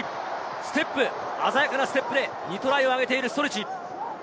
ステップ、鮮やかなステップで２トライ挙げているストルチ。